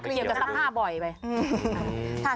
เกี่ยวกับสักผ้าบ่อยไป